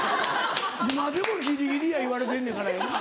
今でもギリギリや言われてんのやからやな。